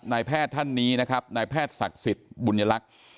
นายแพทย์ท่านนี้นะครับนายแพทย์ศักดิ์สิทธิ์บุญลักษณ์